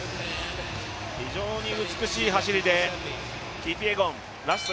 非常に美しい走りでキピエゴンラスト